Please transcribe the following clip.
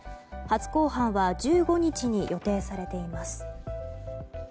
初公判は１５日に予定されています。